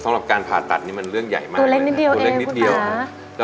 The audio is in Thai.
สำหรับการผ่าตัดนี่มันเรื่องใหญ่มากเลยนะตัวเล็กนิดเดียวเองคุณคะ